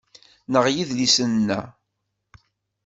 Nneɣ yedlisen-a